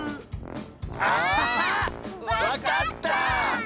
あわかった！